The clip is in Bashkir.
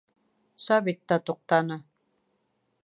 Сабит та туҡтаны.